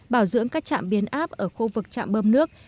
bảo dưỡng các trạm biến áp ở khu vực trạm bơm nước